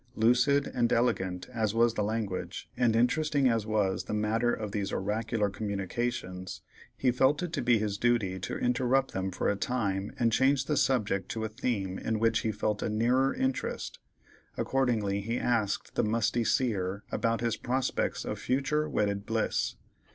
Lucid and elegant as was the language, and interesting as was the matter of these oracular communications, he felt it to be his duty to interrupt them for a time and change the subject to a theme in which he felt a nearer interest; accordingly he asked the musty Seer about his prospects of future wedded bliss.